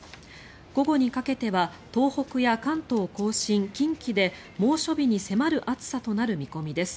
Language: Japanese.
午後にかけては東北や関東・甲信近畿で猛暑日に迫る暑さとなる見込みです。